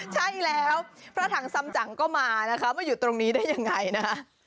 ใช่แล้วพระถังสำจังก็มานะคะมาอยู่ตรงนี้ได้ยังไงนะ